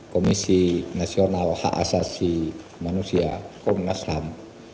komisi nasional hak asasi manusia komnas ham